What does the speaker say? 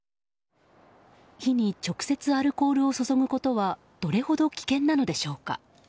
火に直接アルコールを注ぐことはどれほど危険なのでしょうか。